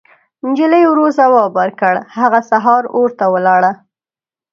نجلۍ ورو ځواب ورکړ: هغه سهار اور ته ولاړه.